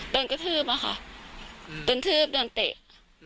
ต้นกระทืบค่ะต้นทืบต้นเตะ